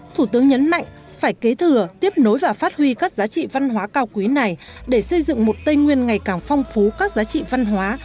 thủ tướng nhấn mạnh phải kế thừa tiếp nối và phát huy các giá trị văn hóa cao quý này để xây dựng một tây nguyên ngày càng phong phú các giá trị văn hóa